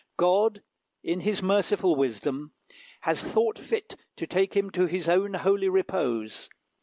God, in his merciful wisdom, has thought fit to take him to his own holy repose.